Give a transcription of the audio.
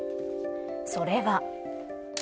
それは。